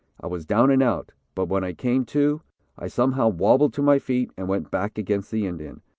I was down and out, but when I came to I somehow wabbled to my feet and went back against the Indian.